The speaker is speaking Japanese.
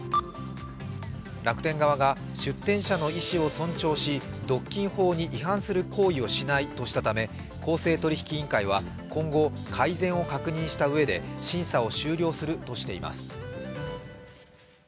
楽天側が出店者の意思を尊重し独禁法に違反する行為をしないとしたため、公正取引委員会は今後、改善を確認したうえで審査を終了するとしています。